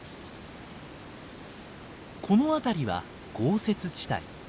この辺りは豪雪地帯。